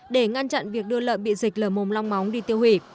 để ngăn chặn việc đưa lợn bị dịch lờ mồm long móng đi tiêu hủy